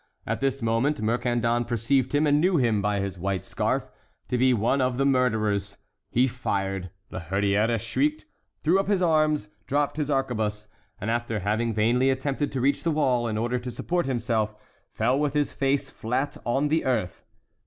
At this moment Mercandon perceived him, and knew him, by his white scarf, to be one of the murderers. He fired. La Hurière shrieked, threw up his arms, dropped his arquebuse, and, after having vainly attempted to reach the wall, in order to support himself, fell with his face flat on the earth.